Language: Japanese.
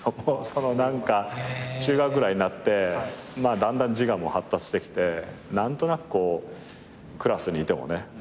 その何か中学ぐらいになってだんだん自我も発達してきて何となくこうクラスにいてもね